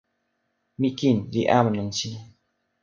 mi kin li awen lon sina.